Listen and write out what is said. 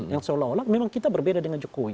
yang seolah olah memang kita berbeda dengan jokowi